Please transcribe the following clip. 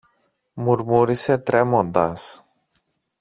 μουρμούρισε τρέμοντας.